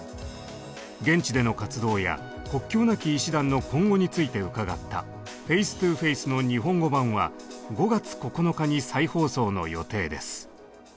現地での活動や国境なき医師団の今後について伺った「ＦａｃｅＴｏＦａｃｅ」の日本語版は５月９日に再放送の予定です。